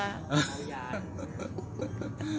หลาย